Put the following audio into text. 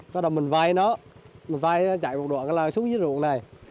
rồi mình vai nó mình vai chạy một đoạn là xuống dưới ruộng này